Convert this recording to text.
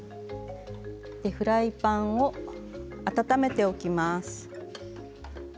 フライパンを温めておきます。